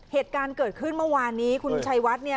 เหตุการณ์เกิดขึ้นเมื่อวานนี้คุณชัยวัดเนี่ย